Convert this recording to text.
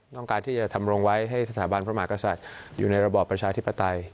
ต้องการที่จะทำลงไว้ให้สถาบันพระมหากษัตริย์อยู่ในระบอบประชาธิปไตย